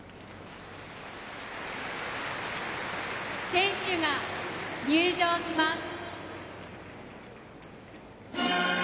選手が入場します。